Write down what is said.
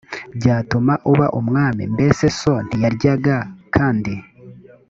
byatuma uba umwami mbese so ntiyaryaga kandi